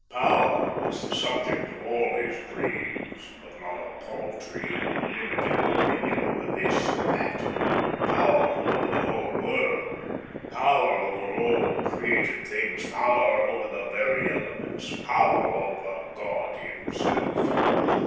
Power was the subject of all his dreams, but not a paltry, limited dominion over this or that; power over the whole world, power over all created things, power over the very elements, power over God Himself.